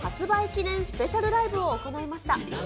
記念スペシャルライブを行いました。